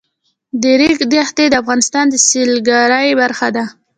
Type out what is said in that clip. د ریګ دښتې د افغانستان د سیلګرۍ برخه ده.